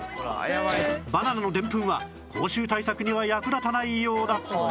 バナナのでんぷんは口臭対策には役立たないようだ